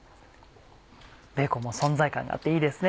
ベーコンも存在感があっていいですね。